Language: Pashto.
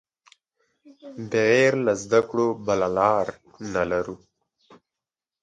بغیر له زده کړو بله لار نه لرو.